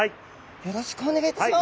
よろしくお願いします。